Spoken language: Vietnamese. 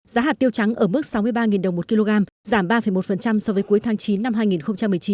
giá hạt tiêu trắng ở mức sáu mươi ba đồng một kg giảm ba một so với cuối tháng chín năm hai nghìn một mươi chín